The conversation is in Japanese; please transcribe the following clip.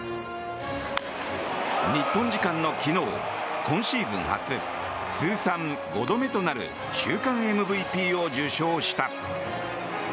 日本時間の昨日今シーズン初通算５度目となる週間ＭＶＰを受賞した。